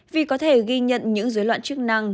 vì có thể ghi nhận những dối loạn chức năng